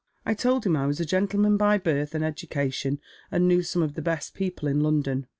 I told him I was a gentleman by birth and education, and knew some of the best people in London.